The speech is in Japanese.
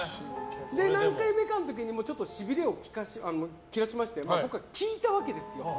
何回目かのころにしびれを切らしまして聞いたわけですよ。